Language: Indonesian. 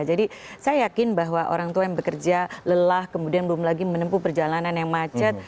jadi saya yakin bahwa orang tua yang bekerja lelah kemudian belum lagi menempuh perjalanan yang macet